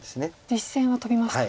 実戦はトビました。